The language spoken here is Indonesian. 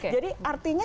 dua jadi artinya